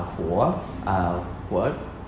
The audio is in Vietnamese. của các nền tảng